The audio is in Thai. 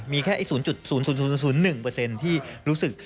มีแค่๐๐๑ที่รู้สึก